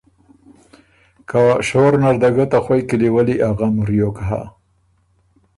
که شور نر ده ګۀ ته خوئ کِلی وَلّی ا غم وریوک هۀ۔